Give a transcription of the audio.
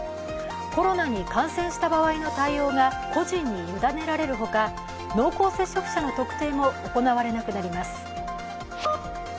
コロナに感染した場合の対応が個人に委ねられるほか、濃厚接触者の特定も行われなくなります。